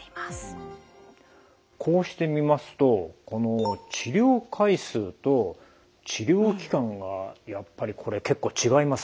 こうして見ますとこの治療回数と治療期間がやっぱり結構違いますね。